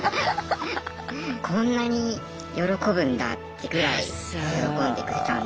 こんなに喜ぶんだってぐらい喜んでくれたんで。